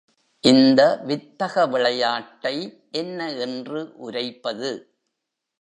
இந்த வித்தக விளையாட்டை என்ன என்று உரைப்பது?